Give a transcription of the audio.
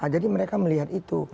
jadi mereka melihat itu